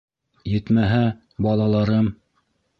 Етмәһә, балаларым...